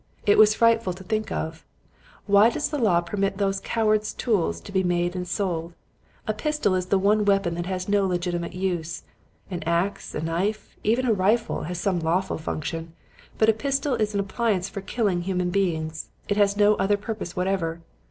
It was frightful to think of. Why does the law permit those cowards' tools to be made and sold? A pistol is the one weapon that has no legitimate use. An axe, a knife even a rifle, has some lawful function. But a pistol is an appliance for killing human beings. It has no other purpose whatever.